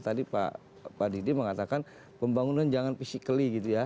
tadi pak didi mengatakan pembangunan jangan physically gitu ya